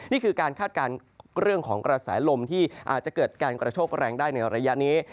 นี่คือการคาดการณ์เรื่องของกระแสลมที่อาจจะเกิดการกระโชคแรงได้ในระยะนี้